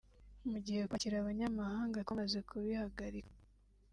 Mu gihe kwakira abanyamahanga twamaze kubihagarika